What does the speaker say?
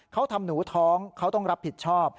เขาทำหนูท้องเขาต้องรับผิดชอบ